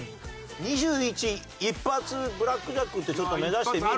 ２１一発ブラックジャックってちょっと目指してみる？